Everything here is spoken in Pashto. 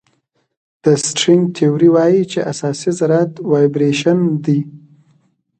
د سټرینګ تیوري وایي چې اساسي ذرات وایبریشن دي.